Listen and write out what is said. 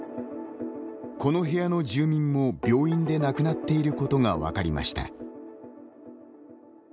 この部屋の住民も病院で亡くなっていることが分かりました。